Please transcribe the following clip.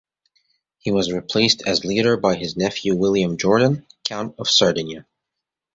He was replaced as leader by his nephew William-Jordan, count of Cerdanya.